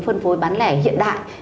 phân phối bán lẻ hiện đại